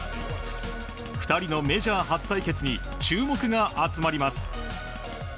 ２人のメジャー初対決に注目が集まります。